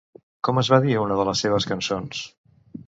Com es va dir una de les seves cançons?